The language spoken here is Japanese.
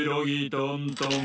トントン